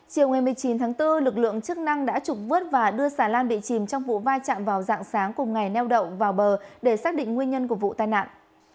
chiều một mươi chín tháng bốn lực lượng chức năng đã trục vớt và đưa xà lan bị chìm trong vụ va chạm vào dạng sáng cùng ngày neo đậu vào bờ để xác định nguyên nhân của vụ tai nạn